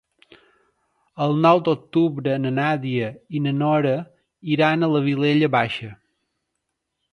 El nou d'octubre na Nàdia i na Nora iran a la Vilella Baixa.